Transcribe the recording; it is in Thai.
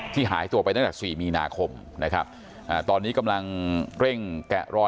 หายตัวไปตั้งแต่๔มีนาคมนะครับตอนนี้กำลังเร่งแกะรอย